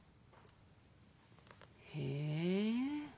へえ。